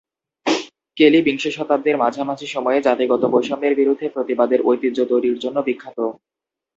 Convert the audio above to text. কেলি বিংশ শতাব্দীর মাঝামাঝি সময়ে জাতিগত বৈষম্যের বিরুদ্ধে প্রতিবাদের ঐতিহ্য তৈরির জন্য বিখ্যাত।